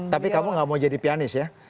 tapi kamu gak mau jadi pianis ya